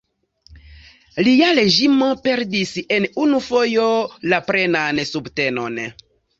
Lia reĝimo perdis en unu fojo la plenan subtenon.